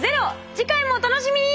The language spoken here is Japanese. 次回もお楽しみに！